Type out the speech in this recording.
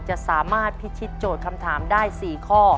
จะสามารถพิชิตโจทย์คำถามได้๔ข้อ